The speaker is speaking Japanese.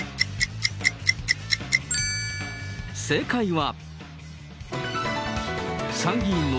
正解は。